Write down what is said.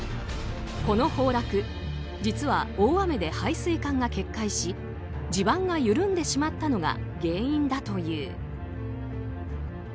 この崩落実は大雨で排水管が決壊し地盤が緩んでしまったのが原因だという。